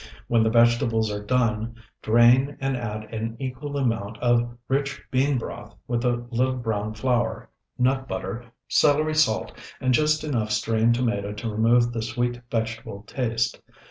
When the vegetables are done, drain and add an equal amount of rich bean broth with a little brown flour, nut butter, celery salt, and just enough strained tomato to remove the sweet vegetable taste.